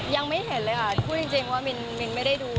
ยังไม่เห็นเลยค่ะพูดจริงว่ามินไม่ได้ดู